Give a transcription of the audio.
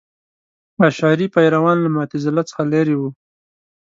اشعري پیروان له معتزله څخه لرې وو.